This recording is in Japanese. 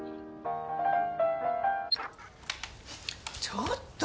ちょっと！